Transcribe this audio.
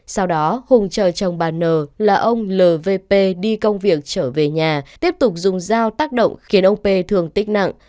sau đó hùng chờ chồng bà n là ông lvp đi công việc trở về nhà tiếp tục dùng dao tác động khiến ông p thương tích nặng